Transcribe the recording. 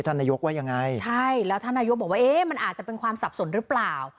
ท่านนายกว่ายังไงใช่แล้วท่านนายกบอกว่าเอ๊ะมันอาจจะเป็นความสับสนหรือเปล่า